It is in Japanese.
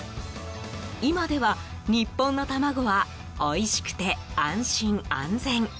今では日本の卵はおいしくて安全、安心。